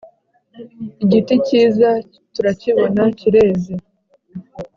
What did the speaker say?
Igiti kiza turakibona kireze